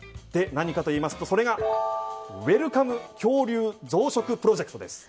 何かといいますとウェルカム恐竜増殖プロジェクト。